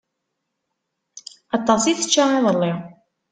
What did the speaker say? Aṭas i tečča iḍelli.